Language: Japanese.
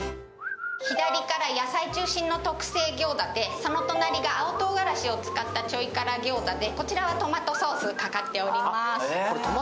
左から野菜中心の特製ギョーザでその隣が青唐辛子を使ったちょい辛餃子でこちらはトマトソースがかかっております。